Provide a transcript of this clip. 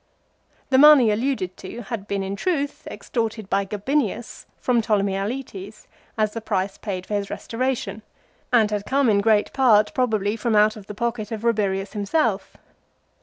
The money alluded to had been in truth extorted by Gabinius from Ptolemy Auletes, as the price paid for his restoration, and had come 60 LIFE OF CICERO. in great part probably from out of the pocket of Rabirius himself.